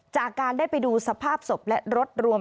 จากการได้ไปดูสภาพศพและรถรวม